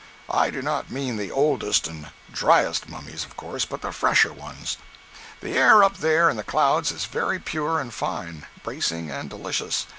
I do not mean the oldest and driest mummies, of course, but the fresher ones. The air up there in the clouds is very pure and fine, bracing and delicious.